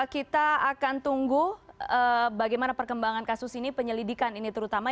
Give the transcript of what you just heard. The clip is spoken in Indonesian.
kita akan tunggu bagaimana perkembangan kasus ini penyelidikan ini terutama